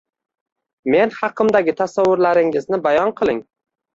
Men haqimdagi tasavvurlaringizni bayon qiliing.